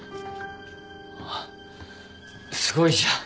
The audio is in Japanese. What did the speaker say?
ああすごいじゃん。